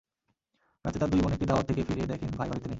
রাতে তাঁর দুই বোন একটি দাওয়াত থেকে ফিরে দেখেন ভাই বাড়িতে নেই।